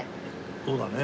そうだね。